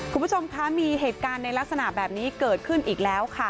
คุณผู้ชมคะมีเหตุการณ์ในลักษณะแบบนี้เกิดขึ้นอีกแล้วค่ะ